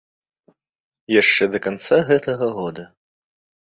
Яшчэ да канца гэтага года.